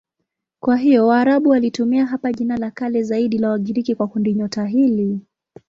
Kwa hiyo Waarabu walitumia hapa jina la kale zaidi la Wagiriki kwa kundinyota hili.